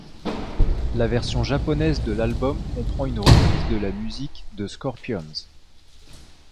La version japonaise de l'album comprend une reprise de la musique ' de Scorpions.